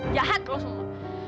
jahat lo semua